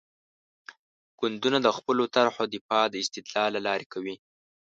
ګوندونه د خپلو طرحو دفاع د استدلال له لارې کوي.